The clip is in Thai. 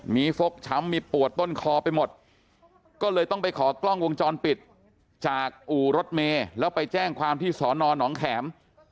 มีฟกช้ำมีปวดต้นคอไปหมดก็เลยต้องไปขอกล้องวงจรปิดจากอู่รถเมย์แล้วไปแจ้งความที่สอนอนองแข็ม